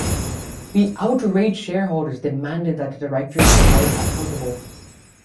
The outraged shareholders demanded that the directors were held accountable.